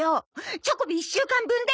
チョコビ１週間分で。